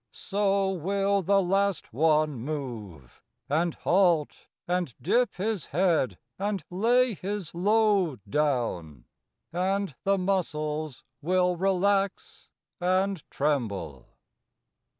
So will the last one move, And halt, and dip his head, and lay his load Down, and the muscles will relax and tremble.